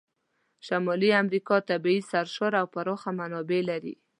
شمالي امریکا طبیعي سرشاره او پراخه منابع لري.